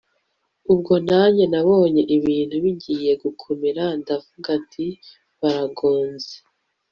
ubwo nanjye nabonye ibintu bigiye gukomera ndavuga nti barangonze